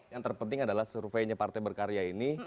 yang terpenting adalah surveinya partai berkarya ini